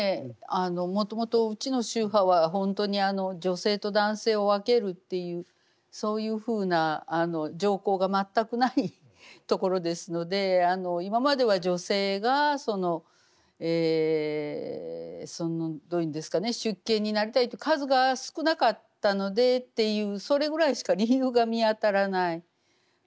もともとうちの宗派は本当に女性と男性を分けるっていうそういうふうな条項が全くないところですので今までは女性がどう言うんですかね出家になりたいと数が少なかったのでっていうそれぐらいしか理由が見当たらない。